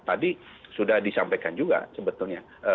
tadi sudah disampaikan juga sebetulnya